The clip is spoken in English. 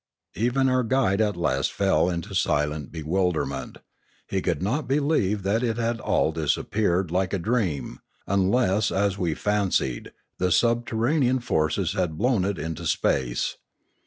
Even our guide at last fell into silent bewilderment. He could not believe that it had all disappeared like a dream; unless, as we fancied, the subterranean forces had blown it into space.